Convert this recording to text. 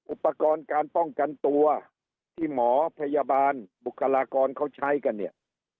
อุปกรณ์การป้องกันตัวที่หมอพยาบาลบุคลากรเขาใช้กันเนี่ย